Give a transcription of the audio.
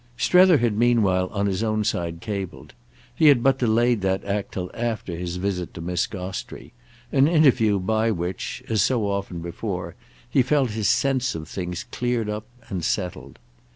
Strether had meanwhile on his own side cabled; he had but delayed that act till after his visit to Miss Gostrey, an interview by which, as so often before, he felt his sense of things cleared up and settled.